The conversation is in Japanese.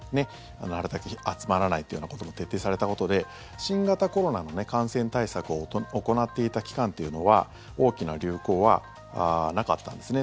なるたけ集まらないということも徹底されたことで新型コロナの感染対策を行っていた期間というのは大きな流行はなかったんですね。